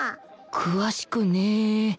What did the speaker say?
詳しくねえ！